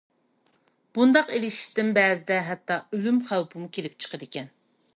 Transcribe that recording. بۇنداق ئېلىشىشتىن بەزىدە ھەتتا ئۆلۈم خەۋپىمۇ كېلىپ چىقىدىكەن.